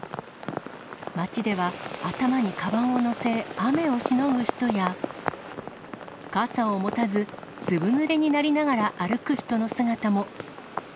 街では頭にかばんを載せ、雨をしのぐ人や、傘を持たず、ずぶぬれになりながら歩く人の姿も。